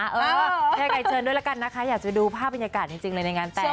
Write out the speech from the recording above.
เฮ้อเท่ากันเชิญด้วยแล้วกันนะคะอยากจะไปดูภาพบรรยากาศจริงเลยในงานแต่ง